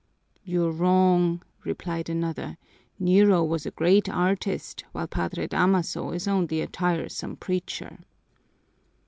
"You're wrong," replied another. "Nero was a great artist, while Padre Damaso is only a tiresome preacher."